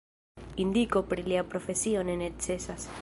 Indiko pri lia profesio ne necesas.